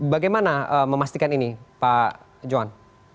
bagaimana memastikan ini pak johan